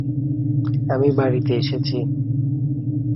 আমি বাড়িতে এসেছি।